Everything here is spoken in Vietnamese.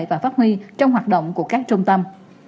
và phát huy trong hoạt động của các trung tâm